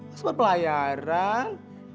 mas buat pelayaran